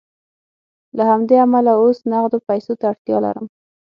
له همدې امله اوس نغدو پیسو ته اړتیا لرم